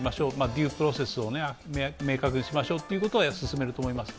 デュー・プロセスを明確にしようということを進めると思います。